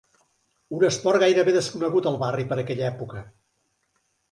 Un esport gairebé desconegut al barri per aquella època.